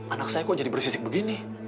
anak saya kok jadi bersisik begini